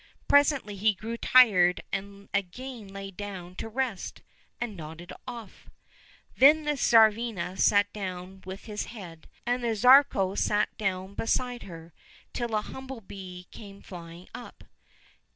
Presently he grew tired and again lay down to rest, and nodded off. Then the Tsarivna sat down on his head, and the Tsarevko sat down beside her, till a humble bee came flying up.